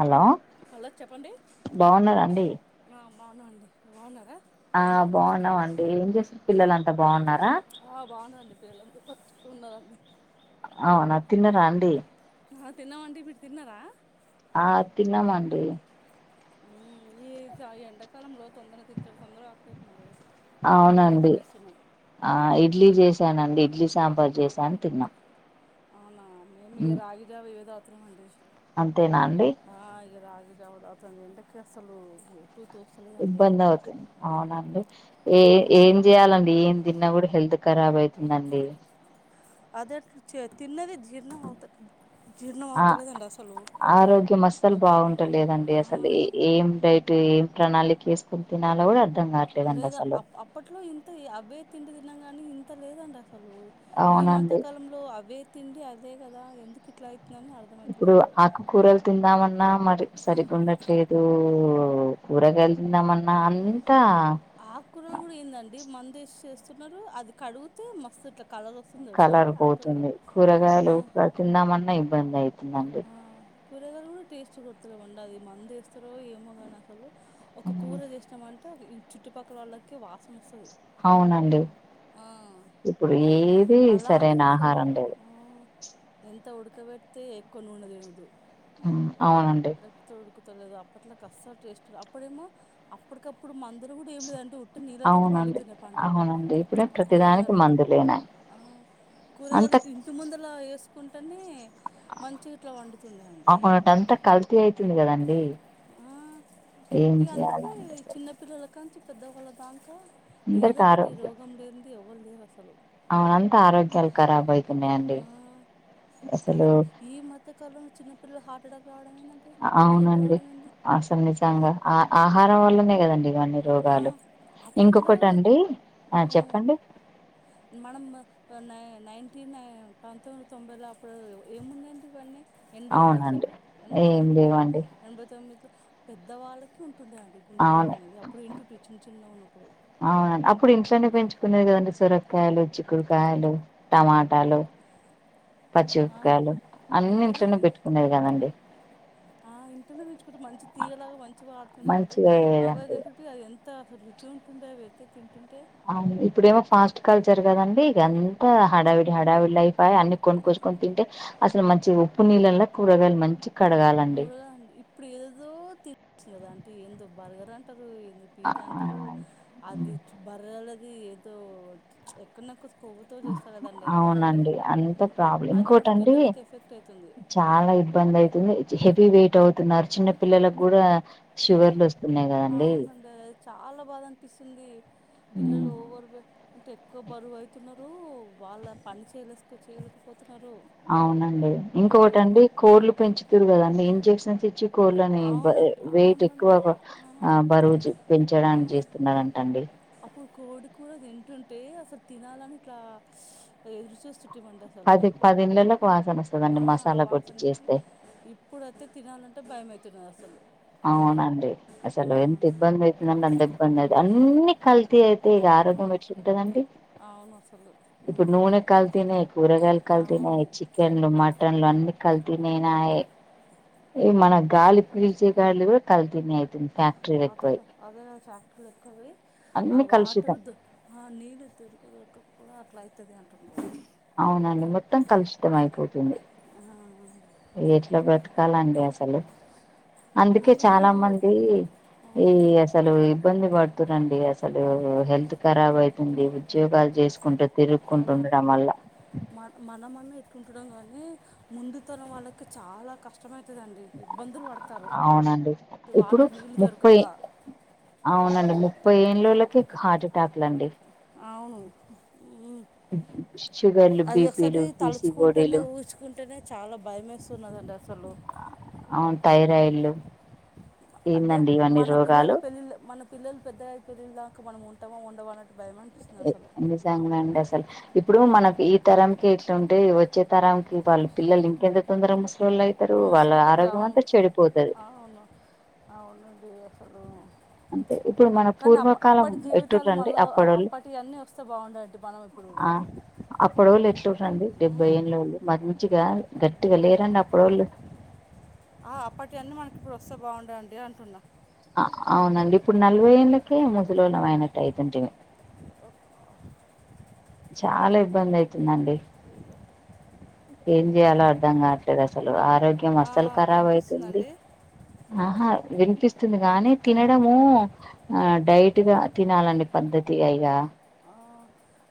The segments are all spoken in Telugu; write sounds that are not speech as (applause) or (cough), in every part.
హలో హలో చెప్పండి బాగున్నారా అండి ఆ బాగున్నామండి బాగున్నారా ఆ బాగున్నావండి ఏం చేసా పిల్లలంతా బాగున్నారా ఆ బాగునరండి పిల్లలు అందరూ ఉన్నారండీ అవునా తిన్నరా అండి ఆ తిన్నామండి మీరు తిన్నారా ఆ తిన్నామండి ఈ ఎండాకాలంలో తొందర తింటాను తొందర ఆకలౌతుందండీ అవునండి ఆ ఇడ్లీ చేసానండి ఇడ్లీ సాంబార్ చేసాను తిన్నాం అవునా మేము ఇక ఉమ్, రాగి జావ ఇవె తాగుతున్నామండి అంతేనా అండి హ రాగి జావా తాగుతానా ఎండకి అసలు ఎటు తోస్తలేదు ఇబ్బంది అవుతుంది అవునండి ఏ ఏం చేయాలండి ఏం తిన్నా కూడా హెల్త్ ఖరాబ్ అవుతుందండి అదె తిన్నది జీర్ణం అవుత జీర్ణం ఆ అవుతలేదండి అసలు ఆరోగ్యం అసలు బాగుంటలేదండి అసలు ఆ ఏం డైట్ ఏం ప్రణాళిక వేసుకుని తినాలో కూడా అర్థం కావట్లేదండి లేదా అసలు అప్ అప్పట్లో ఇంత అవే తిండి తిన కాని ఇంత లేదండి అసలు ఈ అవునండి మధ్యకాలంలో అవే తిండి అదే కదా ఎందుకు ఇట్లా అవుతుందని అర్థ ఇప్పుడు ఆకుకూరలు తిందామన్నా మరి సరిగ ఉండట్లేదు ఇ కూరగాయాలు తిందమన్నా అంత ఆ కూరలు కూడా ఏందండి మందు వేసి చేస్తున్నారు అది కడుగితే మస్తు ఇట్లా కలర్ వస్తుంది తెలుసా కలర్ అండి ఆకుకూరలో పోతుంది ఆ కూరగాయలు కూడా తిందామన్నా ఇబ్బంది అవుతుందండి ఆ కూరగాయలు కూడా టేస్ట్ కొడతలేవండి అది మందు వేస్తారో ఏమో కానీ అసలు ఒక కూర చేసినామంటే ఒక చుట్టుపక్కల వాళ్ళకి వాసన వస్తుంది అవునండి ఇప్పుడు ఆ ఏది సరైన అలాంటిది అసలు ఆహారం లేదు ఆ ఎంత ఉడకబెడితే ఎక్కువ నూనె తినదు అవునండి చెప్పుత ఉడుకుతలేదు అప్పట్లా కస్సలు టేస్ట్ అప్పుడేమో అప్పటికప్పుడు మందుర కూడా ఏమి లేదంటే ఉట్టి నీళ్ళతోటే అవునండి పండుతున్నాయి పంటలు అవునండి ఇప్పుడే ప్రతిదానికి కూరగాయలు మందులేనా ఆ అంత కూరగాయలు ఇంటి ముందలా వేసుకుంటేనే మంచిగ ఇట్ల పండు అవునటంతా కల్తీ అయితుంది కదండి ఆ ఏం ఇక అందుకే చేయాలంటే సే చిన్నపిల్లల కాంచి పెద్దవాళ్ళ దాంక ఏదో అందరికి ఒకటి రోగం లేనిది ఎవరు లేరు అసలు. ఆ అంతా ఆరోగ్యాలు ఖరాబ్ అయితున్నాయండీ ఆ అసలు కాదండి ఈ మత కాలంలో చిన్న పల్లలు హార్ట్ అటాక్ రావడం ఎందంటే అవునండి అసలు నిజంగ ఆ ఆహారం వల్లనే కదండి ఇవన్నీ ఆ, రోగాలు, అప్పట్లో ఇంకొకటండి ఆ ఊ, చెప్పండి మనం నై నైన్టీన్ న పంతొమ్మిది తొంభైలో అప్పుడు ఏమున్నాయండీ ఇవన్నీ ఎనభైలో అవునండి అసలు ఎనభై ఏం రెండులో లేవండి ఎనభై తొమ్మిదిలో, పెద్దవాళ్ళకి ఉంటుండ అండి గుండెపోటు అవును అనేది, అప్పుడు ఇంటుంటి చిన్న చిన్నగా ఉన్నప్పుడు. అవునండి అప్పుడు ఇంట్లోనే పెంచుకునేది కదండి సొరకాయలు, చిక్కుడుకాయలు టమాటాలు, పచ్చి ఆ మిరపకాయలు అన్ని ఇంట్లోనే ఇంకనే పెట్టుకునేది కదండి. ఆ ఇంట్లోనే పెంచుకుంటే మంచి తీగలాగా మంచిగా పారుతుండే అంటే, మంచిగా అవే అయ్యేదండి తింటుంటి అవి ఎన్ త అసలు రుచి ఉంటుండే అవి అయితే తింటుంటే అవును ఇప్పుడేమో ఫాస్ట్ కల్చర్ కదండీ ఇగ అంతా హడావిడి హడావిడి లైఫ్. బాగ అన్ని కొనుకొచ్చుకొని తింటే అసలు మంచి ఉప్పు నీళ్ళలా కూరగాయలు మంచి కడగాలండి కూరగా అండి ఇప్పుడు ఏదో తినచ్చు కదా ఆంటీ ఎందొ బర్గర్ అంటారు ఆ! పిజ్జా అంటారు అది బర్గర్లది ఏదో ఎక్కనెక్కు కొవ్వుతో చూస్తారు కద దాన్ని ఏదో అవునండి అంటారు అంత ప్రాబ్లం అది కూడ ఇంకోటండి పిల్లలకి ఎఫెక్ట్ అయితుంది. చాలా ఇబ్బంది అయితుంది హెవీ వెయిట్ అవుతున్నారు, చిన్న పిల్లలకు కూడా షుగర్లు వస్తున్నాయి. కదండి అవునండి చాలా బాధ అనిపిస్తుంది ఉమ్, పిల్లలు ఓవర్ వే అంటే ఎక్కువ బరువు అయితున్నారు వాళ్ళ పని చేయలేసుకో చేయలేకపోతున్నారు. అవునండి ఆ ఇంకొకటండి కోళ్లు పెంచుతరు కదండి ఇంజెక్షన్స్ ఇచ్చి కోళ్ళని వ అవును వెయిట్ అవునండి ఎక్కువ ఆ బరువు ఆ పెంచడానికి చేస్తున్నారటండి అప్పుడు కోడి కూర తింటుంటే అసలు తినాలని ఇట్లా ఎదురుచూస్తుంటిమంట. పది పది ఇండ్లలకు వాసన వస్తదండి ఆ మసాలా కొట్టి వాసనకి చేస్తే, ఇప్పుడైతే తినాలంటే భయమయితున్నది అసలు. అవునండి. ఆ అసలు ఎంత ఇబ్బంది అయితుందంటె అంత ఇబ్బంది అయి, అన్ని కల్తీ అయితే ఇగ ఆరోగ్యం ఎట్లుంటదండి? అవును అసలు ఇప్పుడు మ్మ్ నూనె కల్తీనే, కూరగాయలు కల్తీనే, అవును చి చికెన్లు, మటన్లు అన్ని కల్తీనే నాయ్ ఏ మనకి గాలి పీల్చే గాలి కూడా కల్తీనే అయితుంది ఫ్యాక్టరీలు ఎక్కువై అదేద అదేదొ ఫ్యాక్టరీలు ఎక్కువై ఆ అన్ని వాటర్ కలుషితం దొ బా నీళ్ళు దొరికి దొరకక కూడ అట్ల అయితది అంటున్నారు అవునండి మొత్తం కలుషితం అయిపోతుంది. ఆ ఎట్ల బతకాలండి అసలు, అందుకే ముందు చాలా ముందు మంది ఆ ఈ అసలు ఇబ్బంది పడుతుర్ అండి, అసలు హెల్త్ ఖరాబ్ అయి అండి ఉద్యోగాలు చేసుకుంటు అదే అంటుండు మన మనమన్న ఇట్లుంటున్నాం కానీ ముందు తరం వాళ్ళకి చాలా కష్ కష్టమైతదండి ఇబ్బందులు పడతారు అవునండి ఇప్పుడు వాటర్ నీళ్ళు ముప్పై దొరకక. అవునండి ముప్పై ఏళ్లోలకే హార్టేటాకులు అండి. అవును హ్. షుగర్లు అది ఒకసారి బీపీలు తలుచుకుంటేనే పీసిఓడీలు ఊహించు కుంటనే చాలా భయం ఏస్తున్నదండి అసలు. అవును థైరాయిడ్లు, అదే ఏందండి ఇవన్నీ మన పిల్లలు రోగాలు పెళ్ళిళ్ళు మన పిల్లలు పెద్దగయి పెళ్ళిల దాకా మనం ఉంటమో ఉండమో అనటు భయం అయి నిజంగనే అండి అసలు. ఇప్పుడు మనకి ఈ తరంకి ఇట్లుంటే వచ్చే తరంకి వాళ్ళ పిల్లలు ఇంకెంత తొందరగా ముసలోళ్ళు అయి తరు వాళ్ళ ముసలి ఆరోగ్యం అవును అంతా చెడిపోతది. అవును. అవునండి అసలు అంటే ఇప్పుడు మన కనీ అ పూర్వకాలం అప్పటి జీవితాలు ఎట్టురండి మళ్ళ అప్పడోళ్ళు అప్పటియి అన్నీ వస్తే బావుండండి మనం ఇప్పుడు కూడ. అప్పడోళ్ళు ఎట్లురండి డెబ్బై ఏళ్ళోళ్ళు మంచిగా గట్టిగా లేరండి అప్పడోళ్ళు. ఆ అప్పటియి అన్నీ మనకి ఇప్పుడు వస్తే బాగుండండి అంటున్నా. అవునండి ఇప్పుడు నలభై ఏళ్ళకే ముసలోల్లం అయినట్టు అయితుంటిమి. ఓ ఓ. చాలా ఇబ్బంది అయితుందండి. (inaudible) ఏం చేయాలో అర్ధం కావట్లేదు అసలు. ఆరోగ్యం ఆ, ఆ, అస్సలు ఖరాబ్ అయితుంది. వినిపిస్తుందండి ఆహా వినిపిస్తుంది కానీ తినడము ఆ డైట్గా తినాలండి పద్ధతిగా ఇగా. ఆ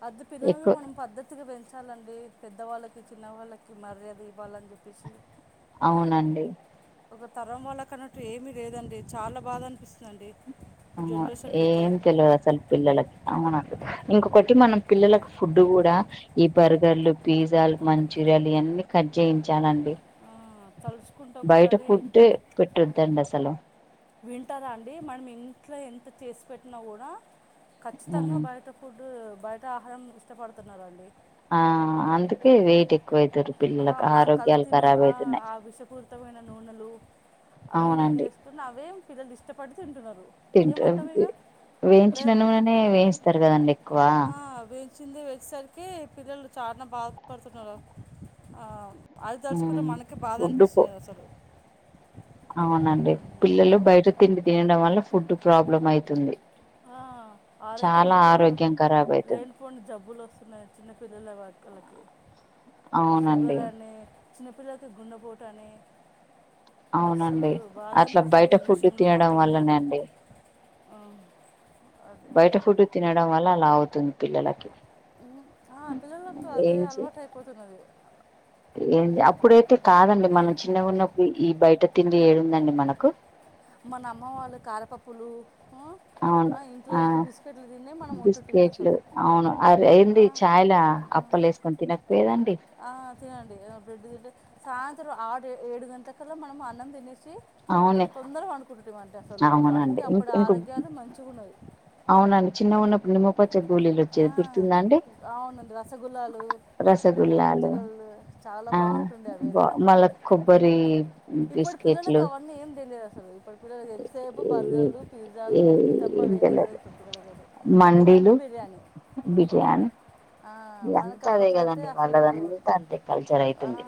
అద్ పిల్లలను మనం పద్దతి తిగా పెంచాలండి. పెద్దవాళ్ళకి, చిన్న వాళ్ళకి మర్యాద ఇవ్వాలని చెప్పేశి. అవునండి. ఒక తరం వాళ్ళకన్నట్టు ఏమీ లేదండి, చాలా బాధ అనిపిస్తుందండి. ఇప్పుడు ఆ జనరేషన్కి అయితే ఏం తెల్వది అసలు పిల్లలకి అవును (inaudible) ఇంకొకటి మనం పిల్లలకు ఫుడ్ కూడా ఈ బర్గర్లు, పిజ్జాలు, మంచూరియాలు ఇయన్నీ కట్ చేయించాలండి. ఆ తలుచుకుంటే ఒకసారి పెట్టోదండి అసలు. వింటారా అండి మనం ఇంట్ల ఎంత చేసి పెట్టినా కూడా ఖచ్చితంగా ఉమ్ బయట ఫుడ్ బయట ఆహారం ఇష్టపడుతున్నారు అండి. ఆ అందుకే వేయిట్ ఎక్కువ అయితుర్రు, పిల్లలకు ఆరోగ్యాలు కరాబ్ అయితున్నయి. పూరితమైన నూనెలు అవి ఇవివి అవునండి చేసుని అవే పిల్లలు ఇష్టపడి తింటున్నరు. తింటరు వేయించిన నూననే వేయిస్తరు కదండి. ఎక్కువ ఆ వే చింది వేసేసరికి పిల్లలు చానా బాధపడుతున్నారు. ఆ అది తలుచుకుంటే మ్మ్ మనకే బాధ ఫుడ్ పో అనిపిస్తున్నది అసలు. అవునండి పిల్లలు బయట తిండి తినడం వల్ల ఫుడ్ ప్రాబ్లం అయితుంది. ఆ ఆరోగ్యంల చాలా కూడా ఆరోగ్యం ఖరాబ్ అయితుంది లేని పోని జబ్బులు వస్తున్నయి చిన్నపిల్లల వక్కలకి. అవునండి షుగర్ అని చిన్నపిల్లలకి గుండెపోటు అనే మస్త్ అవునండి బాధ అట్లా బయట అనిపిస్తంది ఈ ఫుడ్ విషయంలో తినడం మాత్రము. వల్లనే అండి అదే బయట అంటున్నా ఫుడ్డు తినడం వల్ల అలా అవుతుంది పిల్లలకి. ఆ పిల్లలతో అదే అలవాటు అయిపోతున్నది. ఏ అప్పుడైతే కాదండి మనం చిన్న గున్నప్పుడు ఈ బయట తిండి ఏడుందండి మనకు. మన అమ్మ వాళ్ళు కారపప్పులు ఆ ఇంట్లో చేసే బిస్కె బిస్కెట్లు అవును అరీ ఆ, ఎయింది చాయిలా ఆ, అప్పలేసుకొని తినకపోయేదండి. బ్రెడ్ తింటే సాయంత్రం ఆరు ఏడు గంటల కల్లా మనం అన్నం తినేసి అవును తొందరగా అనుకుంటు అంటే అసలు అప్పుడు అవునండి అందుకే ఇం అప్పుడు ఇంకో ఆరోగ్యాలు మంచిగా ఉన్నవి అవునండి చిన్నగ ఉన్నప్పుడు నిమ్మపచ్చ (unintelligible) వచ్చేది ఆ గుర్తుందా అండి అవునండి రసగుల్లాలు రసగల్లలు నిమ్మపచ్చగళ్ళు చాలా బాగుంటుండే మల్ల కొబ్బరి ఇప్పుడు పిల్లలలకు బిస్కెట్లు అవన్నీ ఏం తెలియదు అసలు ఇప్పుడు పిల్ల ఎంతసేపు ఏ బర్గర్లు పిజ్జాాలు ఇవి తప్ప ఏం వేరేది తెలదు (unintelligible) ఏమనంటే మండీలు బిర్యానీ బిర్యానీ ఇదంతా అదే మనకప్పట్లో అయితే కదండి అసలు వాళ్ళదంతా అంతే కల్చర్ ఆ అయితుంది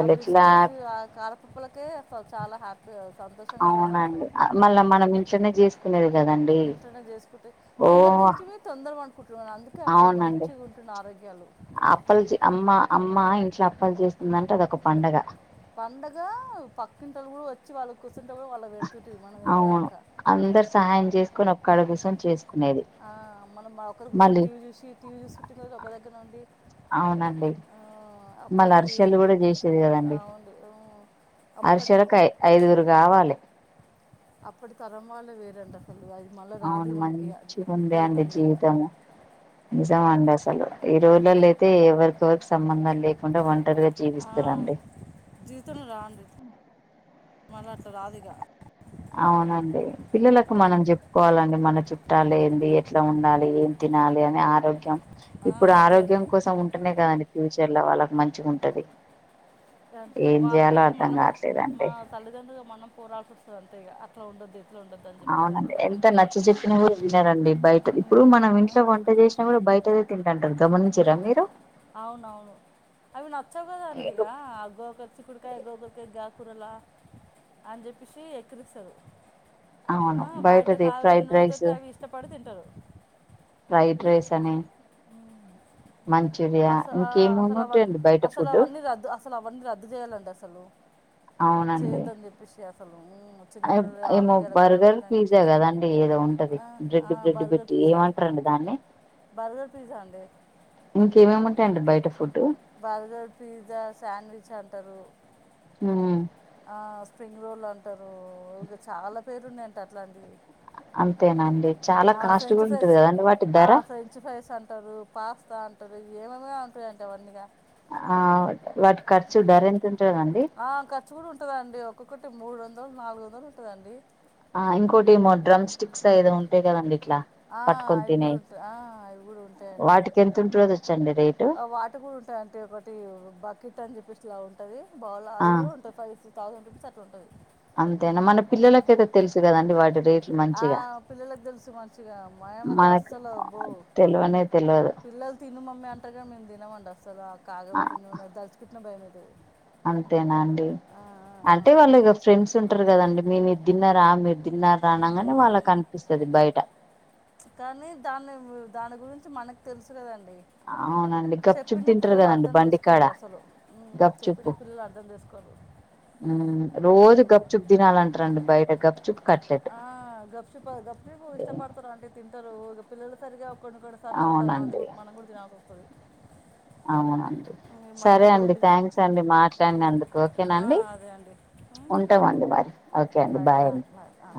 ఆ ఎట్లా బిస్కెట్స్ ఆ కారపప్పులకే చాలా హ్యాపీ సంతోష అవునండి మళ్ళా మనం (unintelligible) చేసుకునేది కదం ఇంట్లోనే చేసుకుంటే తొందర దంచివి తొందరమ అనుకుంటున్నానీ అందుకే అప్పుడు అవునండి మంచి (unintelligible) ఆరోగ్యాలు అప్పలు అమ్మ అమ్మ ఇంట్లో అప్పలు చేస్తుందంటే అదొక పండగ పండగ పక్కింటోలు కూడా వచ్చి వాళ్ళు కూర్చంట కూడా వాళ్ళ పెడుతుంటే మనం అవును విన్నదాంక అందరు సహాయం చేసుకొని ఒక (unintelligible) చేసుకునేది మనం ఒకరు కూర్చొని మళ్ళీ టీవీ చూసి టీవీ చూసి ఉట్టిన్న ఒకరి దగ్గర ఉండి అవునండి ఆ మళ్ళీ అప్పటి అరిసెలు కూడా చేసేది కదండి అవును ఉ (unintelligible) ఐదుగురు కావాలి అప్పుడు తరం వాళ్ళు వేరంట (unintelligible) మళ్ళీ రాదు అవును మనకి మంచిగా ఉంది అండి జీవితంలోగా జీవితము నిజం అండి అసలు ఈ రోజులలో అయితే ఎవ (unintelligible) (unintelligible) సంబంధాలు లేకుండా ఒంటరిగా ఆ, జీవిస్తారండి (unintelligible) మళ్ళ అట్ల రాదిగా అవునండి పిల్లలకు మనం చెప్పుకోవాలండి మన చుట్టాలు ఏంది ఎట్లా ఉండాలి తినాలి అని ఆరోగ్యం ఆ, ఇప్పుడు అదే ఆరోగ్యం అండి కోసం ఉంటునే కదండి ఫ్యూచర్ లో వాళ్ళకి మంచిగ ఉంటది ఎసి ఏం వాళ్ళ చేయాలో కోసం అర్థం మనమే మా కావట్లేదండి తల్లిదండు మన పోరాల్సి వస్తుంది అంత ఇ అట్లా ఉండద్దు ఎట్లా ఉ అవునండి ఎంత నచ్చ చెెప్పిన కూడ వినారండి బయట ఇప్పుడు మనం ఆ, ఇంట్లో వంట చేసి కూడ బయటదే తింట (unintelligible) అవునవును అవి నచ్చవు కదండి ఇగ అగగోక చికుడికాయ (unintelligible) కూరల అని చెప్పేసి ఎక్కిరిస్తడు అవును ఆ బయట బయటది కాబెట్టి ఫ్రైడ్ రైస్ నూనతోటి అవి ఇ ఇష్టపడి తింటారు ఫ్రైడ్ రైస్ అని మంచూరియ అసలు ఇంక అసలు అవన్నీ ఏమేమి (unintelligible) బయట అసలు ఫుడ్ అవన్నీ రద్దు అసలు అవన్నీ రద్దు చేయాలండి అసలు అ (unintelligible) అసలు చిన్నపిల్లలు ఏమో ఆరోగ్యాలు ఖరాబ్ బర్గర్ అవుతున్నాయని పిజ్జా చెప్పేసి కదండి ఏదో ఉంటది బ్రెడ్ బ్రెడ్ బర్గర్ పెట్టి పిజ్జా ఏమంట ండి దాన్ని బర్గర్ పిజ్జా అండి ఇంకేమేమి ఉంటయండి బయట ఫుడ్డు బర్గర్ పిజ్జా శాండ్విచ్ అంటారు మ్ ఆ స్ప్రింగ్ రోల్ అంటారు ఇగ చాలా పేర్లు ఉన్నయంట అట్లాంటివి అంతేనా అండి చాలా కాస్ట్ కూడా ఉంటది కదండి వాటి దర ఫంచ్ ఫ్రైస్ అంటారు పాస్తా అంటారు ఏమొమో ఉంటాయంట అవన్నీగా ఆ వాటి ఖర్చు ధర ఎంత ఉంటదండి చూడు ఉంటదండి ఒక్కొక్కటి మూడు వందలు నాలుగు వందలు ఉంటదండి ఆ ఇంకోటి ఏమో డ్రమ్ స్టిక్స్ ఏదో ఉంటాయి కదండి ఇట్లా ఆ పట్టుకొని అవి కూడా తినేయి ఉంటాయి ఆ అవి కూడా ఉంటాయండి తదో వచ్చండి రేట్ వాటి కూడా ఉంటాయి అంటే ఒకటి బకెట్ అని చెప్పేసి ఇలా ఉంటది బౌళ్ళ ఆ అది కూడా ఉంటది ఫైవ్ సిీ ౌండ్ రూపీస్ అట్లా ఉంటది అంతేనా మన పిల్లలకైతే తెలుసు కదండి వాటి రేట్లు మం ఆ పిల్లలకి తెలుసు మం చిగా మాయామతే మనకు అస్సలు బోవ్ తెలివనే తెలియదు పిల్లల్ తిను మమ్మి అంటారుగానీ మేము తిన్నామండి అసలు ఆ కాగబెట్టి న నినే అది తలుచుకుంటేనే భయమవుతది అంతేనా అండి అంటే వాళ్ళు ఇగ ఫ్రెండ్స్ ఉంటారు కదండి నిను ఇది తిన్నారా మీర్ తిన్నార ఆ ఉమ్ అనంగానే ఉమ్ ఉమ్ వాళ్ళకనిపిస్తది బయట కానీ దాన్ని దాని గురించి మనకు తెలుసు కదండి అవునండి గప్చుప్ చెప్పిన తింటారు పిల్లలు కదండి అర్థం బండికాడ చేసుకోలేరు అసలు మ్ చెప్పిన పిల్లలు అర్థం చేసుకోరు మ్ రోజు ఉమ్ గప్పుచుప్ తినాలంటారండి బయట గప్పుచుప్ కట్లెట్ గప్ చుప్ ఇష్టపడ్ స్తారు అంటే తింటారు పిల్లలు సరిగా కొన్ని కొన్ని సార్లు తప్పది మన అవునండి మనం కూడా తినల్సి వస్తది అవునండి సరే అండి థ్యాంక్స్ అండి మాట్లాడినందుకు ఓకేనండి సరే అండి ఉంటామండి బాయ్ ఓకే అండి బాయ్ అండి ఆ